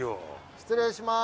失礼します。